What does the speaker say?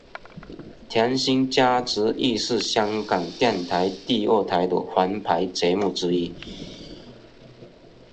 甜心家族亦是香港电台第二台的皇牌节目之一。